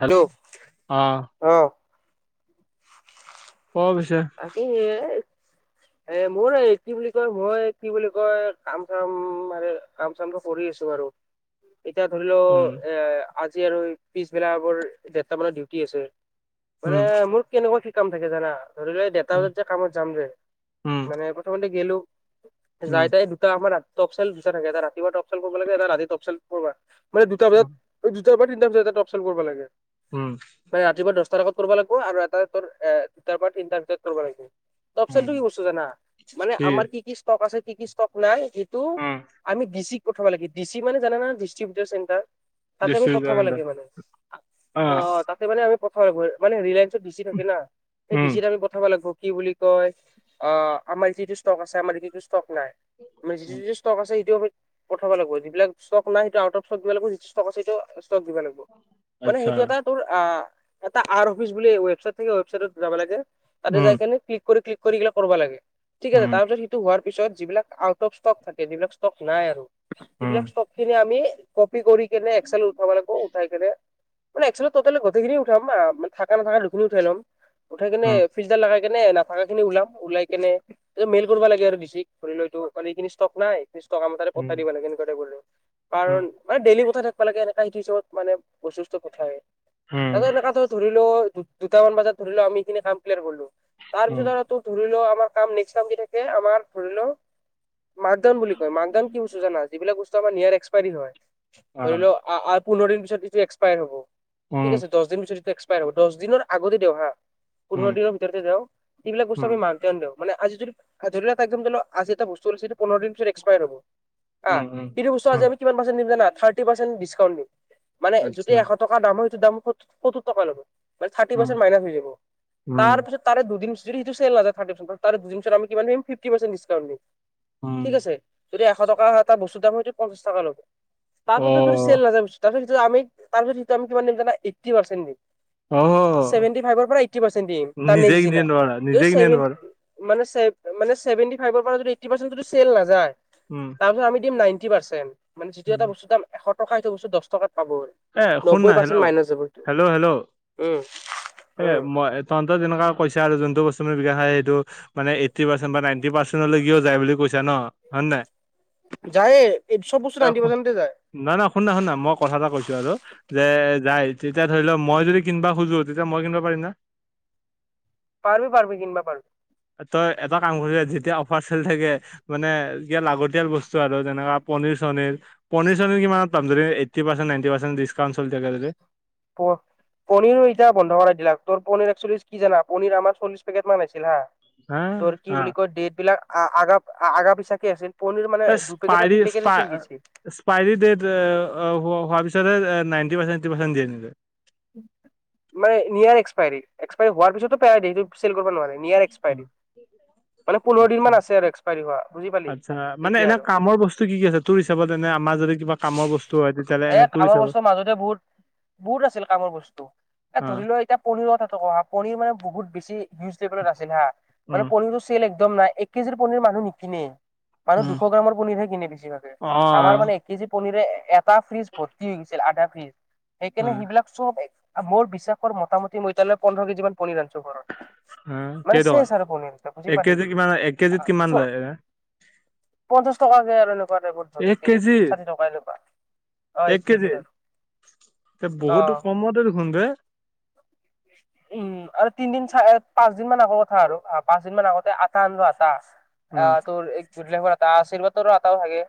Hello অ' অ। ক পিছে [inaudible] এ মোৰ এই কি বুলি কয় মই কি বুলি কয় কাম চাম মানে কাম চামটো কৰি আছো বাৰু। এতিয়া ধৰি লও উম এ আজি আৰু পিছবেলা মোৰ দেৰটা মানত ডিউটি আছে। মানে উম মোৰ কেনেকুৱা কি কাম থাকে জানা ধৰি লোৱা ডেৰটা উম বজাত যে কামত যাম দে উম মানে প্ৰথমতে গেলো উম যাই তাত দুটা সময়ত ৰা টপচেল দুটা থাকে এটা ৰাতিপুৱা টপচেল কৰিব লাগে ৰাতি টপচেলা কৰিব মানে দুটা বজাত দুটা বা তিনিটা বজাত টপচেল কৰিব লাগে। উম। মানে ৰাতিপুৱা দহটাৰ আগত কৰিব লাগিব আৰু এটা দুটাৰ পৰা তিনটাৰ ভিতৰত কৰিব লাগিব। তপচলটো উম কি বস্তু জানা, মানে আমাৰ কি কি ষ্টক আছে কি কি ষ্টক নাই এইটো আমি ডিচিক পঠিয়াব লাগে ডিচি মানে জানে না ডিষ্ট্ৰিবউটাৰ চেণ্টাৰ। তাতে আমি পঠাবা ডিষ্ট্ৰিবিউটাৰ লাগে মানে অ অ মেনা আমি পঠাব লাগিব মানে ৰিলায়েন্সত বিছি থাকে না। সেই উম ডিজিত আমি পঠাব লাগিব কি বুলি কয় অ আমাৰ যিটো ষ্টক আছে আমাৰ এইটো এইটো ষ্টক নাই। মানে যিটো উম, যিটো ষ্টক আছে সেইটোও পঠাব লাগিব যিবিলাক ষ্টক নাই আটোউট অফ ষ্টক দিব লাগ যিটো ষ্টক আ সেইটো ষ্টক দিব লাগব। মানে আচ্ছা সেইটো এটা তোৰ এটা আৰ অফিচ বুলি ৱেবচাইট থাকে ৱবচাইটত যাব লাগে। তাতে উম যাই কিনি ক্লিক ক্লিক এইগিলাক কৰি কৰিব লাগে ঠিক আছে উম তাৰপিছত হোৱাৰ পিছত যিবিলাক আউট অফ ষ্টক থাকে যিবিলাক ষ্টক নাই আৰু উম সিবিলাক ষ্টক খিনি আমি কপি কৰি কেনে এক্সেলেত উঠাব লাগব উঠাই কিনে মানে এক্সলি টোটেল গোটেই খিনি উঠাম মানে থকা নাথকা দুখিনি উঠাই লম। উঠাই কেনে উম ফিলটাৰ লগাই কেনে নাথাখিনি ওলাম ওলাই কিনে এইটো মেইল কৰিব লাগে আৰু ডিচিক ধৰি লৈতো মানে এইখিনি ষ্টক নাই। এিছ টকা মুঠতে উম পঠিয়াই দিবা লাগে কেনেকুৱা টাইপৰে উম কাৰণ মানে ডেলি পঠিয়াই থাকিব লাগে এনেকা সেইটো হিচাপত মানে বস্তু কেইটা পঠিয়াই। উম তাতে এনেকা ধৰিলো দুটামান বজাত ধৰিলো আমি এইখিনি কাম ক্লিয়াৰ কৰিলো তাৰ উম পিছত আৰু ধৰিলো আমাৰ কাম ডিষ্টাব থাকে আমাৰ ধৰিলোঁ মাকডাউন বুলি কয় মাকডাউন কি বস্তু জানা যি বিলাক বস্তু আমাৰ নিয়েৰ এক্সপাৰি হয় ধৰি লোৱা অ অ আৰু পোন্ধৰ দিন পিছত যিটো পিছত এস্কপায়াৰ হ'ব ঠিক উম আছে দহ দিন পিছত এইটো এক্সপায়াৰ হব দহ দিনৰ আগতে দিয়ক হা। উম পোন্ধৰ দিনৰ ভিতৰতে যাওঁ এইবিলাক বস্তু উম আমি মাকডাউন দিওঁ মানে আজি যদি ধৰিল একদম আজি এটা বস্তু আনিছ সেইতো পোন্ধৰ দিনৰ পিছত এক্সপায়াৰ হব হা উম উম সেইটো বস্তু আজি উম আমি কিমান পাৰ্চেণ্ট দিম জানা থাৰ্টি পাৰ্চেণ্ট ডিছকাউণ্ট দিম যদি আচ্ছা এশ টকা এশ টকা সেইটোৰ দাম‌ সত্তৰ টকা ল'ব মানে থাৰ্টি উম পাৰ্চেট মাইনাছ হয় যাব উম তাৰ পিছত তাৰে দুই দিন পিছত সেইটো চেল নেজাই থাৰ্টি পাৰ্চেট তাৰে দুই দিন পিছত আমি কিমান ধৰিম ফিফটি পাৰ্চেট ডিছকাউণ্ট দিম। উম ঠিক আছে যদি এশ টকা এটা বস্তুৰ দাম হয় তোৰ পঞ্চাশ টকা লব তাৰ ভিতৰত যদি অ' তাৰপিছতটো আমি কিমান দিম জানা এইটি পাৰ্চেন দিম অ' চেভেনটি ফাইভৰ পৰা এইটটি পাৰ্চেন দিম তাৰ নিজে নেক্স কিনিব নোৱাৰা নিজে কিনিব দিনা নোৱাৰা মানে চে মানে চেভেনটি ফাইভৰ পৰা যদি এইটটি পাৰ্চেন যদি চেল নাযায় উম তাৰ পিছত আমি দিম নাইটি পাৰ্চেণ্ট মানে যদি উম এটা বস্তুৰ দাম এশ টকা সেইটো বস্তু দশ টকাত পাব এ শুন না নব্বৈ পাৰ্চেণ্ট হেল্ল' মাইনাচ যাব হেল্ল' হেল্ল' সেইটো এ উম উম মই তহঁতৰ যেনেকা কৈছা আৰু যোনটো বস্তু মানে বিকা হয় সেইটো মানে এইটি পাৰ্চেন্ট বা নাইনটি পাৰ্চেন্টলৈকেও যায় বুলি কৈছা ন হয় নে নাই যায়ে এইটো চব বস্তু এ নাইনটি নহয় পৰ্চেণ্টতে যায় না না শুনা শুনা মই কথা এটা কৈছো যে যায় তেতিয়া ধৰি লও মই যদি কিনিবা খোজো তেতিয়া মই কিনিবা পাৰিম না [inaudible] পাৰবি পাৰবি কিনবা পাৰবি তই এটা কাম কৰিবি যেতিয়া অফাৰ চেলি থাকে মানে যিয়া লাগতিয়াল বস্তু আৰু যেনেকুৱা পনিৰ চনিৰ পনীৰ চনীৰ কিমানত পাম যদি eighty percent ninety percent discount চলি থাকে যদি প পনিৰো এতিয়া বন্ধ কৰাই দিলাক তোৰ পনীৰ একচল্লিশ কি জানা পনীৰ আমাৰ চল্লিশ পেকেট মান আছিল হা হা তোৰ কি হা বুলি কয় ডেট বিলাক আগা আগা পিছাকে আছিল পনীৰ মানে দুই পেকেট নে তিনি পেকেটে চোন দিছি পাইৰী ডেট হোৱাৰ পিছহে নাইণ্টি পাৰ্চেণ্টি এইটটি পাৰ্চেণ্ট দিয়ে মানে নিয়াৰ এক্সপাইৰী এক্সপাইৰী হোৱাৰ পিছতো পেলাই দিয়ে সেইটো চেল কৰিব নোৱাৰে নিয়াৰ এক্সপাইৰী মানে পোন্ধৰ দিন আচ্ছা মান আছে আৰু এক্সপাইৰী হোৱা বুজি পালি আচ্ছা মানে তেতিয়া এনে আৰু কামৰ বস্তু কি কি আছে তোৰ হিচাপত এনে আমাৰ যদি কিবা কামৰ বস্তু হয় তেতিয়াহ'লে এ এনে তোৰ কামৰ হিচাপত বস্তুৰ মাজতে বহুত বহুত আছিল কামৰ বস্তু এ অ ধৰি ল এতিয়া পনিৰত পনিৰ মানে বহুত বেছি নেক্স লেভেলত আছে না উম মানে পনি চেল একদম নাই এক কেজিৰ পনীৰ মানুহ নিকিনে মানুহ উম দুশ গ্ৰামৰ পনীৰহে কিনে বেছিভাগে অ আমাৰ মানে কেজি পনিৰে এটা ফ্ৰিজ ভৰ্তি হৈ গৈছিল আধা ফ্ৰিজ অ সেইকাৰণে সেইবিলাক চব মোৰ বিশ্বাস কৰ মোটামুতি মই এতিয়া লৈকে পোন্ধৰ কেজি মান পনীৰ ৰান্ধিছো ঘৰত অ মানে কেইটকা চেছ আৰু পনিৰ বুজি এক পালি কেজি কিমান এক কেজিত কিমান চ লয় এনে পঞ্চাশ টকাকে আৰু এনেকুৱা টাইপত ধৰ এক কেজিত ষাঠি টকা এনেকুৱা অ এক কেজি কেজিত আৰু এ বহুত অ। কমতে দেখোন বে উম আৰু তিনদিন চাৰে পাঁচ দিন মান আগৰ কথা আৰু পাঁচ দিন মান আগতে আটা আনলো আটা অ আ তোৰ এক্সপাৰি হোৱা আটা আছিল তোৰ আতা ভাগে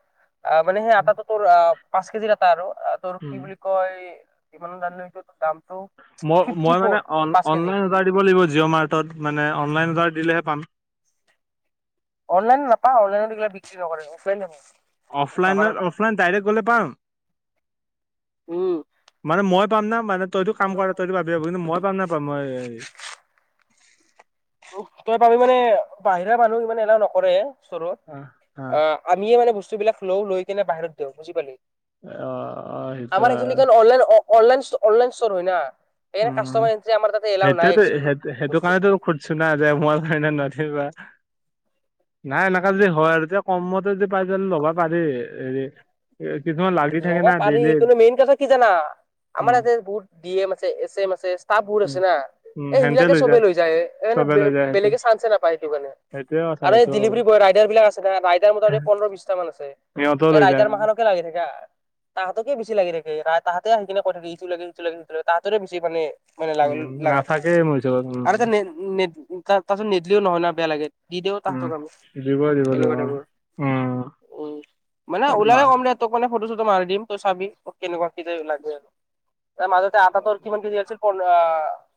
মানে সেই আটাটোত তোৰ অ পাঁচ কেজি আতা আৰু তোৰ উম কি বুলি কয় কিমান দামনো সেইটোত তোৰ দামটো মই ফিফটি মই ফ'ৰ মানে অন পাঁচ কেজি অনলাইন অৰ্ডাৰ দিব লাগিব জিঅ' মাৰ্টত মানে অনলাইন অৰ্ডাৰ দিলেহে পাম অনলাইনে নাপাও অনলাইন এইগিলা বিক্ৰী নকৰে অফলাইন যাবা অফলাইন লাগব অফলাইন ডাইৰেক্ট গ'লে পাম উম মানে মই পাম না মানে তইতো কাম কৰা তইতো পাবিয়ে কিন্তু মই পাম নাপাম তই পাৰি মানে বাহিৰা মানুহ ইমানে এলাও নকৰে স্তৰত অ আমিয়ে মানে বস্তুবিলাক লও লৈ কেনে বাহিৰত দিওঁ বুজি পালি অঁ-অঁ! সেইটো হয়। [unintelligible] অনলাইন-অনলাইন ষ্টৰ হয় না। সেই [inaudible] উম কাষ্টমাৰ আমাৰ এইয়াতে এলাও নাই একচুৱেলি। [unintelligible] চুনা যায় মই কাৰণ নদ বা [inaudible] নাই এনেকা যদি হয় আৰু তেতিয়া কমতে যদি পাই যায় ল'ব পাৰি হেৰি [inaudible] [inaudible] কিছুমান লাগ [unintelligible] ল'ব পাৰি কিন্তু মেইন কথা কি জানা আমাৰ উম ইয়াতে বহুত ডি এম আছে এছ এম আছে। [inaudible] তাহবোৰ উম আছে না এই সেইবিলাকে চবে লৈ যায় এই মানে চবে লৈ যায় সেইটো বেলেগে চান্সে নাপায় সেইটো কাৰণে। [inaudible] সেইটোয়ে কথা আৰু এই সেইটো ডেলিভাৰী বয় ৰাইডাৰ বিলাক আছে ন ৰাইডাৰ মত এই পোন্ধৰ বিছটা মান আছে। [inaudible] সিহঁত লৈ [inaudible] আইতাৰ মাহখানকে [inaudible] লাগি থাকে। তাহাঁতকে বেছি লাগি [unintelligible] তাহাঁতকে আহি কিনে কৈ থাকে ইটো লাগে ইটো লাগিটো ল তাহাঁতৰে বেছি মানে। [inaudible] [inaudible] মানে লাগ উম লাগাত নাথাকেই মোৰ ওচৰত উম আৰু এতিয়া তাৰপিছত নেদিলেও নহয় ন বেয়া লাগে [unintelligible] নিদিওঁ উম তাহতক আমি দিব দিব দিব এনেকুৱা টাইপৰ উম উম [inaudible] মানে উম ওলালে ক'ম দে তোক মানে ফটো-চটো মাৰি দিম তই চাবি কেনেকুৱা কি লাগে আৰু [inaudible] মাজতে আটা তোৰ কিমান [inaudible] কেজি আছিল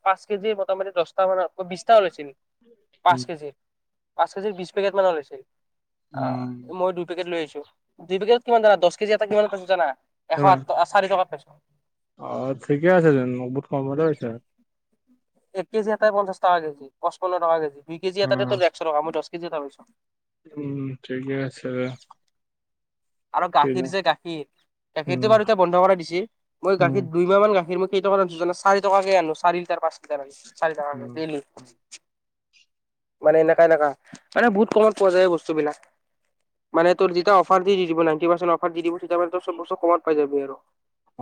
পাঁচ কেজি মোটামুটি দহটা মানে [unintelligible] বিছটা ওলাইছে [unintelligible] পাঁচ উম কেজি পাঁচ কেজিৰ বিছ পেকেট মান ওলাইছিল। অ! উম মই দুই পেকেট লৈ আহিছো। দুই পেকেট কিমান জানা দহ কেজি আটা কিমান [inaudible] জানা এশ [inaudible] কিমান সাত চাৰি টকাত পাইছো। অ! ঠিকে আছে জানো [inaudible] বহুত কমতে হৈছে। এক কেজি আটাই পঞ্চাশ টকা কেজি পঁপন্ন টকা কেজি দুই কেজি আটাত একশ টকা মই দহ কেজি আটা পাইছো। [inaudible] উম-উম! ঠিকে আছে দে। [inaudible] আৰু গাখীৰ যে গাখীৰ? উম গাখীৰটো বাৰু এতিয়া বন্ধ কৰাই দিছে। [unintelligible] মই উম গাখীৰ দুই মাহ মান গাখীৰ মই কেই টকাত আনিছো চাৰি টকাকে আনো চাৰি লিটাৰ, পাঁচ লিটাৰ। [inaudible] চাৰি অ', টকাকে ডেইলি। [inaudible] মানে এনেকা-এনেকা মানে বহুত কমত পোৱা যায় বস্তুবিলাক। [inaudible] মানে তোৰ যেতিয়া অফাৰ দি দি দিব [inaudible] অফাৰ দি দিব তেতিয়া মানে ত‌ই চবচে কমত পাই যাবি আৰু।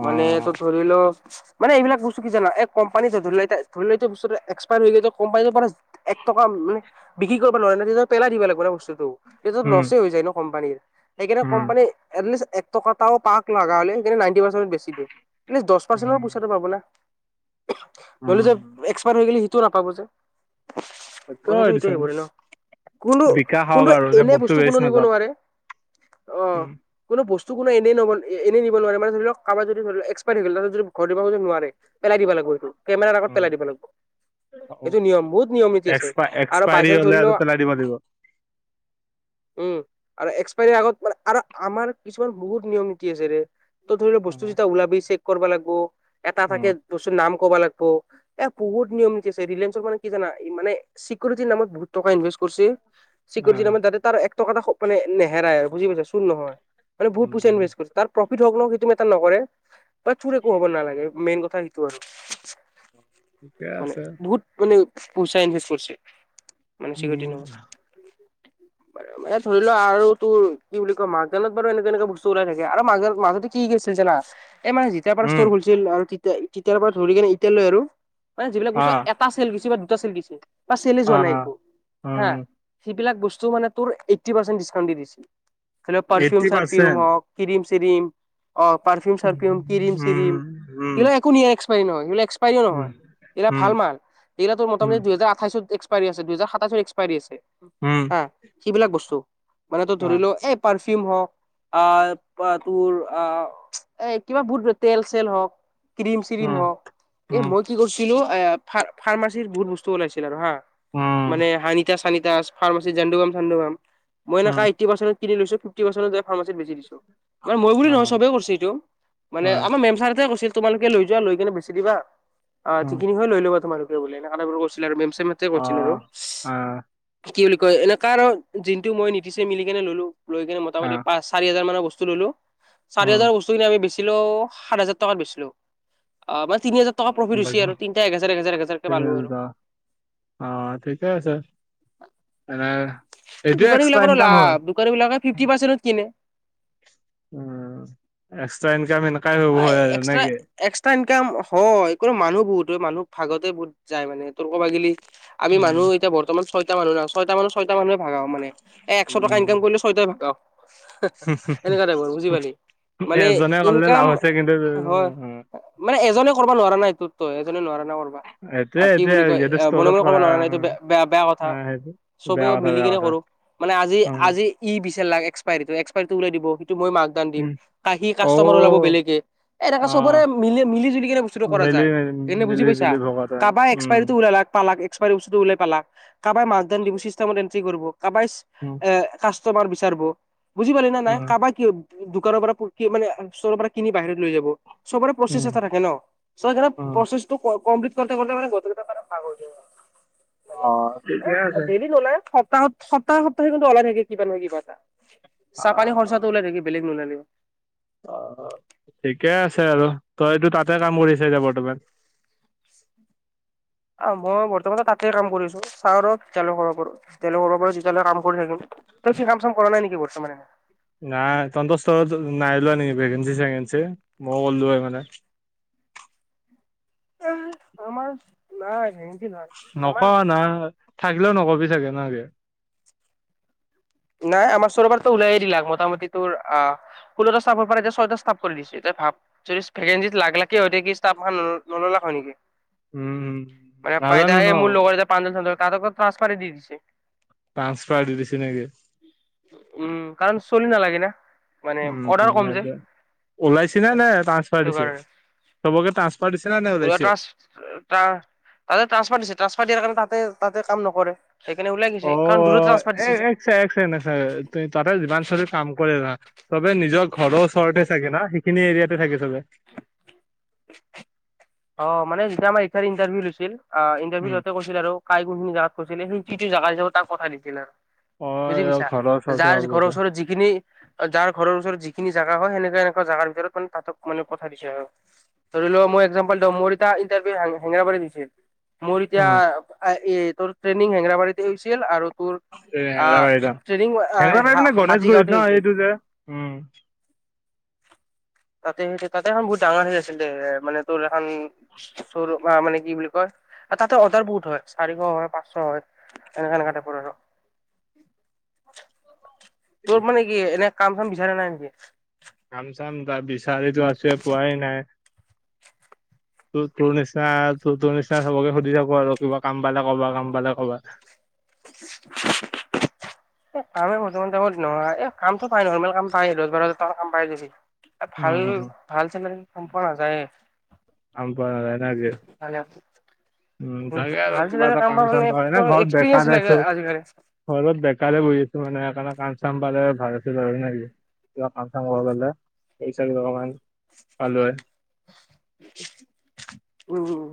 [unintelligible] মানে তোৰ ধৰি ল [inaudible] মানে এইবিলাক বস্তু কি জানা এই কম্পানীটো ধৰি লাই ধৰি লাইটো বস্তুটো এক্সপায়াৰ হৈ গৈ কোম্পানীটো পৰা [inaudible] এক টকা মানে বিক্ৰী কৰিব নোৱাৰে ন তেতিয়া [inaudible] পেলাই দিব লাগিব বস্তুটো লচেই হৈ যায় ন কোম্পানীৰ। [unintelligible] সেইকাৰণে উম, কোম্পানী এট লিষ্ট এক টক এটা পাওক লগা হলে সেইকাৰণে নাইনটি পাৰ্চেন্টত বেছি দিয়ে। [inaudible] এট লিষ্ট দহ পাৰ্চেণ্টৰ উম, পইচাটো পাব না। [inaudible] [inaudible] ধৰিলো যে উম। এক্সপায়াৰ হৈ গলে সিটোও নাপাব যে তাকে কথাটো সিটো দেচোন আহিব ন। [unintelligible] বিকাশ হওক কোনটো-কোনটো আৰু যে এনে বস্তু কোনো ৱেষ্ট নিব নাযাওক। নোৱাৰে। অহ উম। [inaudible] কোনো বস্তু কোনো এই নব এনেই নিব নোৱাৰে মান ধৰি লওক কাৰোবাৰ যদি ধৰি লক্সপাইয়াৰ থাকিল ত যদি ঘৰ দিব নোৱাৰে। [inaudible] পেলাই দিব লাগিব সেইটো। কেমেৰাৰ আগত পেলাই দিব লাগিব। [inaudible] এইটো নিয়ম বহুত নিয়ম নীতি আছে এক্সপ আৰু এক্সপায়াৰী বাইচানস হলে ধৰি আৰু ল [inaudible] পেলাই দিব লাগিব। উম আৰু এক্স [inaudible] [unintelligible] আগত মানে আৰু আমাৰ কিছুমান বহুত নিয়ম নীতি আছে ৰে ত ধৰি ল বস্তু অ', যেতিয়া ওলাবি ছে [inaudible] [inaudible] কৰিব লাগিব। উম, এটা-এটাকে বস্তুৰ নাম কবা লাগিব। [unintelligible] এ বহুত নিয়ম নীতি আছে ৰিলায়েন্ঞ্চৰ মানে কি জানা মানে [inaudible] চিকিউৰিটিৰ নামত বহুত টকা ইনভেষ্টট কৰিছে। [inaudible] চিকুৰিটিৰ আহ, মানে তাৰ এক টকা এ মানে নেহেৰাই বুজি পাইছা। চোৰ নহয় মানে বহুত পইচা উম, ইনভেষ্ট কৰিছে। [inaudible] তাৰ প্ৰফিট হওক নহ‌ওক সেইটো মেটাৰ নকৰে। [inaudible] [unintelligible] ক'ব নালাগে, মেইন কথা সেইটো আৰু। [inaudible] ঠিকে মানে, আছে। বহুত মানে পইচা ইনভেষ্ট কৰিছে। মানে চিৰদিন উম, এ ধৰি লোৱা আৰু তোৰ, কি বুলি কয় মান। হোটেলত বাৰু এনে তেনেকুৱা বস্তু উলাই থাকে। আৰু মাজৰ মাজতে কি জানা, এই মানে যেতিয়াৰপৰা উম, ষ্টৰ খোলি ছিল আৰু তেতিয়া তেতিয়াৰ পৰা ধৰি কেনে এতিয়ালৈ আৰু। মানে যিবিলাক বস্তু অ', এটা চেল গৈছে বা দুটা চেল গৈছে।। বা চেলেই যোৱা নাই অ', একো, হা! উম, সেইবিলাক বস্তু মানে তোৰ এইটটি পাৰ্চেণ্ট ডিচকাউণ্ট দি দিছে। ধৰি ল এইট্টি পাৰফিউম-চাৰফিউম পাৰ্চেণ্ট। হওঁক, ক্ৰীম-চ্ৰীম। অহ পাৰফিউম-চাৰফিউম, উম, ক্ৰীম-চ্ৰীম। উম, সেইবিলাক একো নিয়া এক্সপাইৰী নহয়, সেইবিলাক এক্সপাইৰীও উম, নহয়। সেইবিলাক উম, ভাল মাল। এইবিলাকটো উম, মোটামুটি দুইহাজাৰ আঠাইছত এক্সপাইৰী আছে। দুইহাজাৰ সাতাইছৰ এক্সপাইৰী আছে। উম হা সেইবিলাক বস্তু মানে তই অ', ধৰিল এ পাৰ্ফিউম হওঁক। অহ তোৰ অহ এ কিবা বহুত তেল চেল হওঁক। ক্ৰীম চ্ৰীম উম, হক এ উম, মই কি কৰিছিলোঁ এ ফা ফাৰ্মাচীৰ বহুত বস্তু ওলাইছিল আৰু হা উম, মানে হানিতা চানিতা ফাৰ্মাচীত যেনে উম, [unintelligible] মানে মই বুলি নহয় অ', চবেই কৰিছো এইটো মানে অ', আমাৰ মেম ছাৰতে কৰিছিল। তোমালোকে লৈ যোৱা লৈ কেনে বেছি দিবা অহ অ'। যিখিনি হয় লৈ লবা তোমোক বোলে এনেকুৱা কৈছিলে আৰু মেম ছাৰ সেইমতে কৈছিল আৰু। অ', অ', কি বুলি কয়, এনে কাৰো যিটো মই নিবি গোটেই মিলি কেনে ল'লো। লৈ কিনে মোটামুটি অ', পাঁচ, চাৰি হাজাৰ মানৰ বস্তু ল'লো। চাৰি হাজাৰ উম, বস্তুখিনি আমি বেচিলো, সাত হাজাৰ টকাত বেচিলো। অ মানে তিনি হাজাৰ। টকা প্ৰফিট উম, হৈছে বাকী আৰু। তিনিটাই এক হাজাৰ, এক হাজাৰ, এক হাজাৰকে পালোঁ আৰু। অহ ঠিকে আছে। এনে এইটোৱে দোকানী এক্সট্ৰা‌ বিলাকৰো ইনক লাভ। দোকানীবিলাকে ফিফটি পাৰ্চেন্টত কিনে। উম এক্সট্ৰা ইনকাম না এ এক্সট্ৰা। এক্সট্ৰা ইনকাম হয়। কিন্তু মানুহ বহুত হয়, মানুহ ভাগতে বহুত যায় মানে। তোৰ কবাগিলি। আমি মানুহ এতিয়া বৰ্তমান ছয়টা মানুহ না, ছয়টা মানুহ ছয়টা মানুহে ভগাও মানে। এ একচ টকা ইনকাম উম, কৰিলে ছ ছয়টোই ভগাও। হুা, এনেকুৱা টাইপৰ বুজি পালি। মানে এজনে ইন। কৰিলে কাম লাভ আছে কিন্তু হয়। মানে এজনে কৰিবা নোৱাৰা না এইটোত তই এজনে নোৱাৰা না কৰিবা! আ এইটোয়ে কি এইটোয়ে বুলি কয়, যিহেতু এ মনে ষ্টৰত মনে কৰিব কৰা নোৱাৰা না এইটো বেয়া বেয়া অ', কথা। সেইটো বেয়া চবেও কথা মিলি বেয়া কেনে কথা কৰোঁ। মানে আজি, অ', আজি। ই বিচৰিব লাগে এক্সপাইৰীটো, এক্সপাইৰীটো ওলাই দিব। সেইটো মই মেক'নাল্ড দিম। উম, আহি কাষ্টমাৰ ওলাব অ', বেলেগে। এ এনেকে চবৰে অ', মিলি মিলিজুলি কিনে বস্তুটো কৰা মিলি যায়। এনে বুজি মিলি পাইছা? জুলি ভকত হয়। কাবা উম, এক্সপায়ৰীটো উলালাক, পালাক এক। এক্সপাইৰী বস্তুটো উলাই পালাক। কাবায় মেকড'নাল্ড বশিষ্ঠাশ্ৰমত এন্ট্ৰি কৰিব। কাবায়। উম। এ কাষ্টমাৰ বিচাৰব। বুজি পালি নে নাই! উম, কাবায় কি দোকানৰ পৰা প কি মানে ষ্টৰপৰা খিনি বাহিৰত লৈ যাব। চবৰে প্ৰচেছ উম, এটা থাকে ন! চ' সেইকাৰণে উম, প্ৰচেছটো ক কমপ্লিট কৰোঁতে কৰোঁতে মানে গোটেইকেইটাই মানে ভাগ হৈ যায়। অ', এ ঠিকে আছে। ডেইলি নোলাই সপ্তাহত। সপ্তাহে সপ্তাহে কিন্তু ওলাই থাকে কিবা নহয় কিবা এটা। চাহ-পানী খৰচটো অ', ওলাই থাকে বেলেগ নোলাই অ, অ। ঠিকে আছে আৰু তইতো তাতে কাম কৰিছা এতিয়া বৰ্তমান। অ, মই বৰ্তমান তাতেই কাম কৰিছোঁ। চাওঁ ৰ' কেতিয়ালৈ কৰিব পাৰোঁ। যেতিয়ালৈ কৰিব পাৰোঁ তেতিয়ালৈ কাম কৰি থাকিম। তই কি কাম-চাম কৰা নাই নেকি বৰ্তমানে? নাই। তন্তৰ ষ্টাৰত নাই ওলোৱা নেকি ভেকেঞ্চি-চেকেঞ্চি। মই গ'লো হয় মানে। এ, আমাৰ নাই হে। নোকোৱা না, থাকিলেও নকবি চাগে না কি? নাই, আমাৰ [unintelligible] উলাই দিলাক। মোটামুটি তোৰ আহ ষোল্লটা ষ্টাফৰপৰা এতিয়া ছয়টা ষ্টাফ কৰি দিছে। তই ভাব! [unintelligible] ভেকেঞ্চিত লাখ-লাখ কি অধিক ষ্টাফ উম্ নললাক হৈ নেকি? উম, উম, মানে, নাজানো ন পাইতাই মোৰ লগৰ এটাই প্ৰাঞ্জল-চাঞ্জলহতক তাহাতকো ট্ৰেন্সফাৰে দি দিছে। টান্সফাৰ দি দিচি নেকি। উম, কাৰণ চলি নালাগে না। মানে উম, অৰ্ডাৰ কম যে সেইটোৱে, ওলাইছিলা নে ট্ৰান্সফাৰ সেইটো দিছে, চবকে ট্ৰান্সফাৰ দিছে ন [unintelligible] তাৰ, তাতে [unintelligible] দিছে ট্ৰান্সফাৰ দিয়াৰ কাৰণে তাতে তাতে কাম নকৰে। সেইকাৰণে ওলাই দিছে কাৰণ দূৰত অ', ট্ৰান্সফাৰ এ দিছে এক ছেকেণ্ড এক ছেকেণ্ড যে। এক ছেকেণ্ড তাতে যিমান চলি কাম কৰে না চবে নিজৰ ঘৰৰ ওচৰতে চাগে না সেইখিনি এৰিয়াতে থাকে চবে। অ' মানে যেতিয়া আমাৰ ই ইণ্টাৰভিউ লৈছিল অ' উম, ইণ্টাৰভিউ লওঁতে ছিল আৰু কাই কোনখিনি জাগা কৈছিল সেই কিটো জেগা হিচাপত তাক পঠাই দিছিল না। অ', বুজি এই পাইছা, ঘৰৰ ওচৰতে যাৰ ঘৰৰ আগতে ওচৰত যি যিখিনি অ যাৰ ঘৰৰ ওচৰত যিখিনি জাগা হয়, সেনেকা সেনেকুৱা জাগাৰ ভিতৰত মানে তাহতক মানে পঠাই দিছে আৰু। ধৰি লোৱা মই একজাম টো মোৰ এতিয়া ইণ্টাৰভিউ হেঙেৰাবাৰী দিছে। মোৰ এতিয়া অ' অ এ তোৰ ট্ৰেইনিং হেঙেৰাবাৰীতে হৈছিল আৰু তোৰ এই আহ হেঙেৰাবাৰী ন! ট্ৰেইনিং হেঙেৰাবাৰী মানে হাতী গাঁওতে গণেশগুৰিত ন হৈছিল এইটো যে! উম্। তাতে সেই তাতে এখন বহুত ডাঙৰ সেই আছিল দে। মানে তোৰ এখন [unintelligible] নে কি বুলি কয়! অ তাতে অৰ্ডাৰ বহুত হয়। চাৰিশ হয়, পাঁচশ হয়, সেনেকা সেনেকা টাইপৰ আৰু। তোৰ মানে কি এনে কাম চাম বিচাৰে নাই নেকি। কাম চাম তাৰ বিচাৰিতো আছে পোৱাই নাই। তোৰ তোৰ নিচিনা ত তোৰ নিচিনা চবকে সুধি থাকো আৰু কিবা কাম পালে কবা কাম পালে ক'বা। [unintelligible] এই কামে বৰ্তমান নহয় এই কামটো পাই নৰ্মেল কাম পাই [unintelligible] কাম পায়ে যাবি। এ উম। ভাল উম। ভাল চেনেলত কাম পোৱা নাযায়ে। [unintelligible] [unintelligible] উম তাকে আৰু ভাল চে কিবা এটা কাম পাব চাম মানে পালে এনে ঘৰত এক্সপৰিয়েন্স বেকাৰ লাগে আছো। আজিকালি। ঘৰত বেকাৰে বহি আছো মানে সেইকাৰণে কাম চাম পালে ভাল আছিল আৰু না কি। কিবা কাম চাম কৰবা পালে পইচা [inaudible] পালো হয়। উম উম।